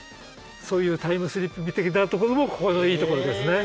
そういうタイムスリップ的なところもここのいいところですね。